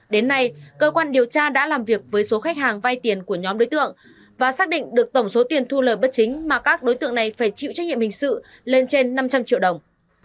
đến nay cơ quan điều tra đã làm việc với số khách hàng vay tiền của nhóm đối tượng và xác định được tổng số tiền thu lời bất chính mà các đối tượng này phải chịu trách nhiệm hình sự lên trên năm trăm linh triệu đồng